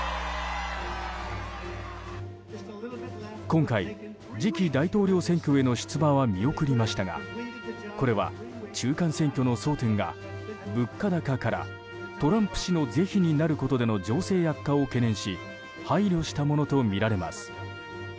今回、次期大統領選挙への出馬は見送りましたがこれは中間選挙の争点が物価高からトランプ氏の是非になることでの情勢悪化を懸念し配慮したものとみられます。